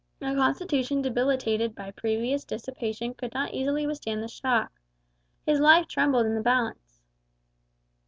A constitution debilitated by previous dissipation could not easily withstand the shock. His life trembled in the balance.